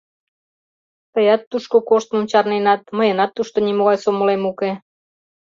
Тыят тушко коштмым чарненат, мыйынат тушто нимогай сомылем уке.